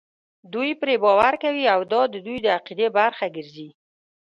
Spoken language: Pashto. دوی پرې باور کوي او دا د دوی د عقیدې برخه ګرځي.